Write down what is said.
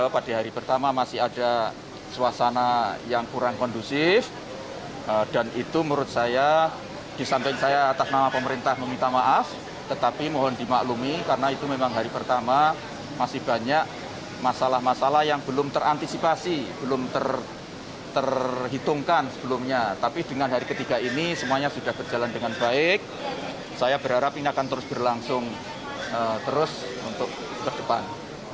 pada hari ketiga ini semuanya sudah berjalan dengan baik saya berharap ini akan terus berlangsung terus untuk ke depan